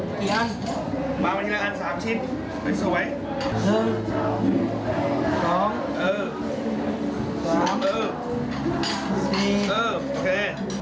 พยุงมื้อดึงเยอะไปแยะไปนิดหนึ่งโอเค